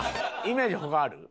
イメージ他ある？